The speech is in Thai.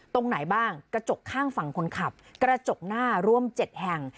ตรงไหนบ้างกระจกข้างฝั่งคนขับกระจกหน้ารวม๗แห่ง